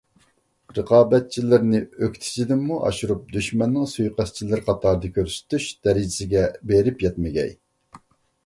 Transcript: رىقابەتچىلىرىنى ئۆكتىچىدىنمۇ ئاشۇرۇپ «دۈشمەننىڭ سۇيىقەستچىلىرى» قاتارىدا كۆرسىتىش دەرىجىسىگە بېرىپ يەتمىگەي.